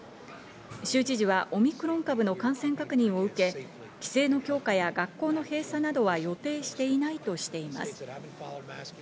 州知事はオミクロン株の感染確認を受け、規制の強化や学校の閉鎖などは予定していないとしています。